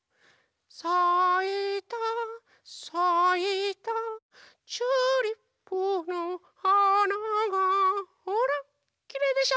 「さいたさいたチューリップのはなが」ほらきれいでしょ